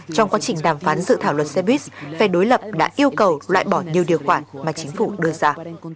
trong quá trình đàm phán dự thảo luật zebit phe đối lập đã yêu cầu loại bỏ nhiều điều khoản mà chính phủ đưa ra